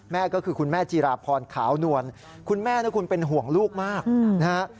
ก็คือคุณแม่จีราพรขาวนวลคุณแม่นะคุณเป็นห่วงลูกมากนะฮะ